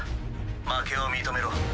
負けを認めろ。